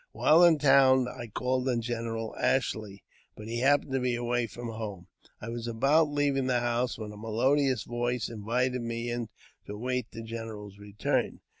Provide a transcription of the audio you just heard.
While in town I called on General Ashley, but he happened to be away from home. I was about leaving the house, when a melodious voice invited me in to await the general's return.